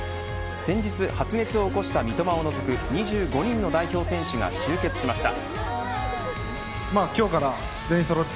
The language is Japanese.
先日発熱を起こした三笘を除く２５人の代表選手が集結しました。